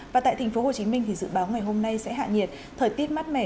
và tại tp hcm thì dự báo ngày hôm nay sẽ hạ nhiệt thời tiết mát mẻ